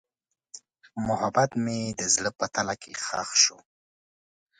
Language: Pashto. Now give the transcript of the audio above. محبت مې د زړه په تله کې ښخ شو.